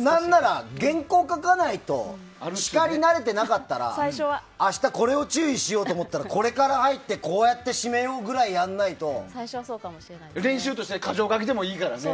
何なら原稿を書かないと叱り慣れてなかったら明日これを注意しようと思ったらこれから入ってこうやって締めようぐらい練習として箇条書きでもいいからね。